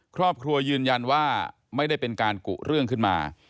ครอบครัวยืนยันว่าไม่ได้เป็นการกุเรื่องขึ้นมา